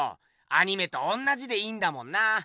アニメとおんなじでいいんだもんな。